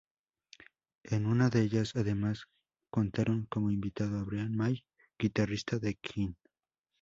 En una de ellas, además, contaron cómo invitado a Brian May, guitarrista de Queen.